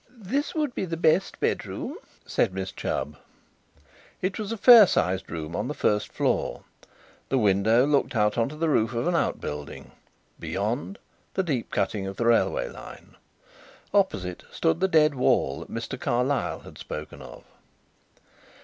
"This would be the best bedroom," said Miss Chubb. It was a fair sized room on the first floor. The window looked out on to the roof of an outbuilding; beyond, the deep cutting of the railway line. Opposite stood the dead wall that Mr. Carlyle had spoken of.